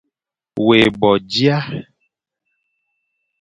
Wé bo dia,